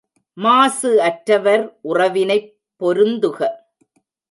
மாசு அற்றவர் உறவினைப் பொருந்துக.